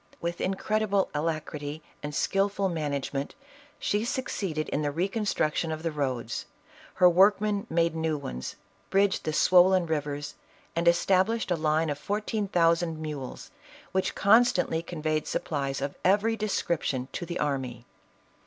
With incredible alacrity and skillful management, she succeeded in the recon struction of the roads ; her workmen made new ones, bridged the swollen rivers, and established a line of fourteen thousand mules, which constantly conveyed supplies of every description to the army.